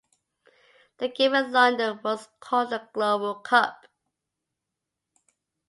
The game in London was called the "Global Cup".